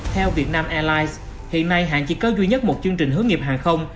theo vietnam airlines hiện nay hãng chỉ có duy nhất một chương trình hướng nghiệp hàng không